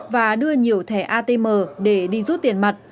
và đưa nhiều thẻ atm để đi rút tiền mặt